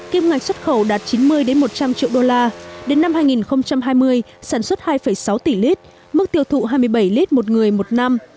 kim ngạch xuất khẩu đạt chín mươi một trăm linh triệu đô la đến năm hai nghìn hai mươi sản xuất hai sáu tỷ lít mức tiêu thụ hai mươi bảy lít một người một năm